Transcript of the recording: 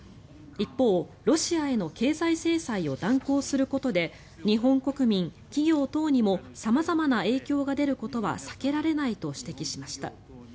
一方、ロシアへの経済制裁を断行することで日本国民、企業等にも様々な影響が出ることは避けられないと指摘しました。